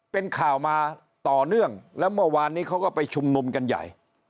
เป็นข่าวมาต่อเนื่องแล้วเมื่อวานนี้เขาก็ไปชุมนุมกันใหญ่